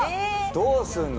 どうするの？